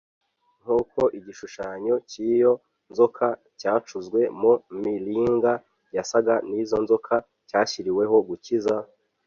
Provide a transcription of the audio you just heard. Nk'uko igishushanyo cy'iyo nzoka cyacuzwe mu mringa cyasaga n'izo nzoka cyashyiriweho gukiza,